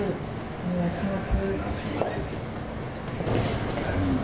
お願いします。